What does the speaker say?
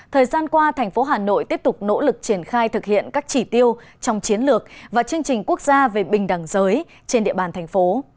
thời gian qua thành phố hà nội tiếp tục nỗ lực triển khai thực hiện các chỉ tiêu trong chiến lược và chương trình quốc gia về bình đẳng giới trên địa bàn thành phố